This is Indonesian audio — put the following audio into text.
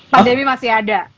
pandemi masih ada